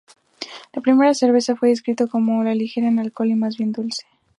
La primera cerveza fue descrito como la ligera en alcohol y más bien dulce.